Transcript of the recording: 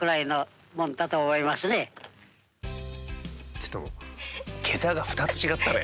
ちょっと桁が２つ違ったね。